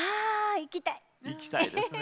行きたいですね！